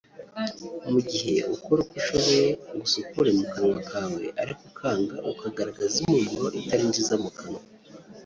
mu gihe ukora uko ushoboye ngo usukure mu kanwa kawe ariko ukanga ukagaragaza impumuro itari nziza mu kanwa